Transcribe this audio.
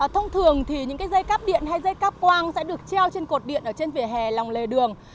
thông thường thì những dây cắp điện hay dây cáp quang sẽ được treo trên cột điện ở trên vỉa hè lòng lề đường